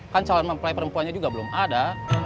kan calon mempelai perempuannya juga belum ada